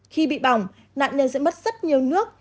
khi bị bỏng nạn nhân sẽ mất rất nhiều nước